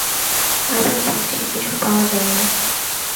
আবার বলছি, কিছু পাওয়া যায়নি।